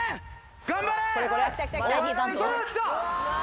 ・頑張れ！